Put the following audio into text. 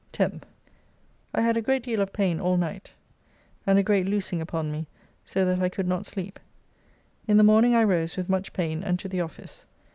10th. I had a great deal of pain all night, and a great loosing upon me so that I could not sleep. In the morning I rose with much pain and to the office.